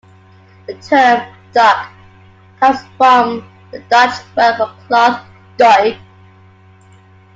The term "duck" comes from the Dutch word for cloth, "doek".